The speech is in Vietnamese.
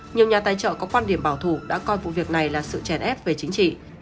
nhiều nhà tài trợ có quan điểm bảo thủ đã coi vụ việc này là sự chèn ép về chính trị